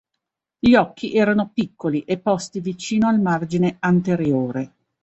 Gli occhi erano piccoli e posti vicino al margine anteriore.